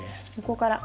ここから。